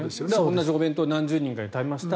同じお弁当を何十人かで食べました。